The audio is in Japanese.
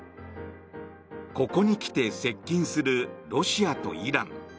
ここに来て接近するロシアとイラン。